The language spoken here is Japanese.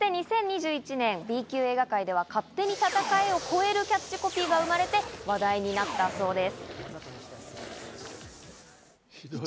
そして２０２１年、Ｂ級映画界では「勝手に戦え！」を超えるキャッチコピーが生まれて話題になったそうです。